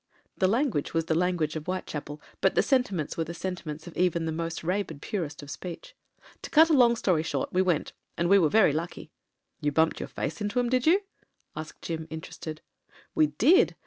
The lan guage was the language of Whitechapel, but the senti ments were the sentiments of even the most rabid purist of speech. "To cut a long story short, we went. And we were very lucky." "You biunped your face into 'em, did you?" asked Jim, interested. "We did.